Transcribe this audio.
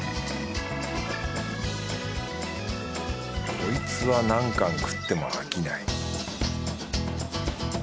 こいつは何貫食っても飽きない